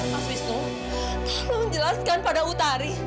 mas wisnu tolong jelaskan pada utari